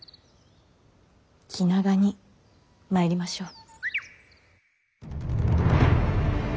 気長にまいりましょう。